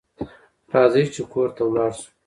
راځئ چې کور ته ولاړ شو